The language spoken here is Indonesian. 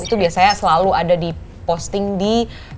itu biasanya selalu ada di posting di